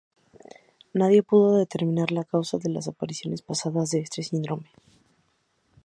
Nadie pudo determinar la causa de las apariciones pasadas de este síndrome.